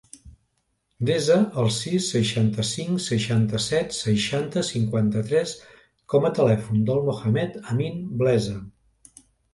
Desa el sis, seixanta-cinc, seixanta-set, seixanta, cinquanta-tres com a telèfon del Mohamed amin Blesa.